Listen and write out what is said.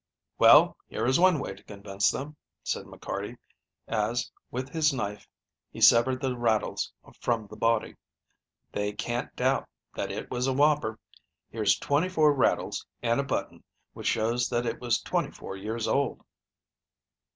"Well, here is one way to convince them," said McCarty, as, with his knife he severed the rattles from the body. "They can't doubt that it was a whopper. Here's twenty four rattles and a button, which shows that it was twenty four years old."